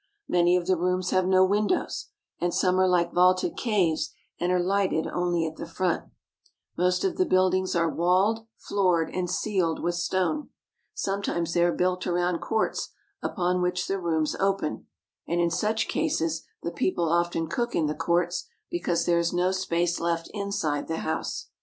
Many of the rooms have no windows, and some are like vaulted caves and are lighted only at the front. Most ASIATIC TURKEY 355 of the buildings are walled, floored, and ceiled with stone. Sometimes they are built around courts upon which the rooms open; and in such cases the people often cook in the courts because there is no space left inside the house.